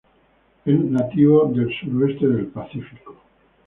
Es nativo del suroeste del Pacífico.